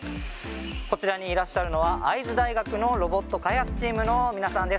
こちらにいらっしゃるのは会津大学のロボット開発チームの皆さんです。